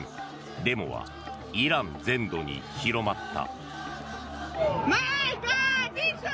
デモはイラン全土に広まった。